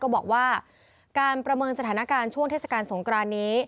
บอกว่าการประเมินสถานการณ์ช่วงเทศกาลสงครานนี้